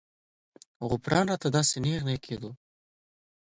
غوپران راته داسې نېغ نېغ کېدو.